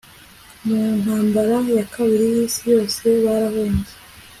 mu ntambara ya kabiri y'isi yose, barahunze